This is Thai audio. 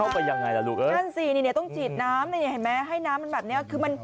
เข้าไปยังไงล่ะลูกชั้น๔ต้องจีดน้ำนี้ให้น้ำมันแบบนี้